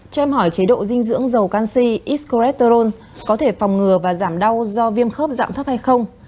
cho em hỏi chế độ dinh dưỡng dầu canxi x corecterol có thể phòng ngừa và giảm đau do viêm khớp dạng thấp hay không